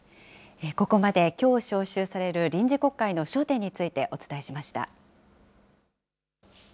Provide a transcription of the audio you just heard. ここまできょう召集される臨時国会の焦点についてお伝えしました。